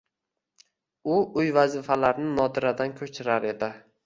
U uy vazifalarini Nodirdan ko‘chirar edi.